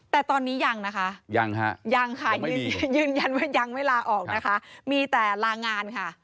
แต่ตอนนี้ยังนะคะยังค่ะยังค่ะยืนยันว่ายังไม่ลาออกนะคะมีแต่ลางานค่ะ